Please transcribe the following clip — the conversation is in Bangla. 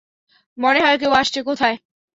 মনে হয় কেউ আসছে - কোথায়?